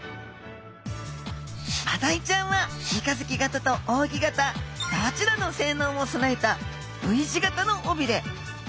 マダイちゃんは三日月形と扇形どちらの性能も備えたＶ字形の尾びれ。